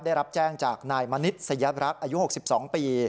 ได้รับแจ้งจากนายมณิษยรักษ์อายุ๖๒ปี